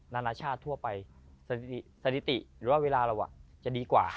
นานาชาติทั่วไปสถิติหรือว่าเวลาเราจะดีกว่า